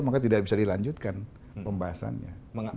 maka tidak bisa dilanjutkan pembahasannya